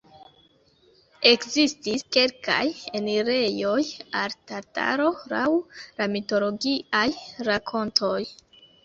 Ekzistis kelkaj enirejoj al Tartaro, laŭ la mitologiaj rakontoj.